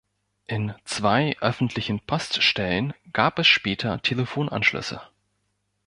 In zwei öffentlichen Poststellen gab es später Telefonanschlüsse.